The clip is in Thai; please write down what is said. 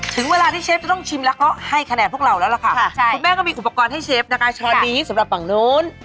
ถึงเวลาที่เชฟจะต้องชิมแล้วก็ให้คะแนนพวกเราแล้วล่ะค่ะคุณแม่ก็มีอุปกรณ์ให้เชฟนะคะช้อนนี้สำหรับฝั่งนู้น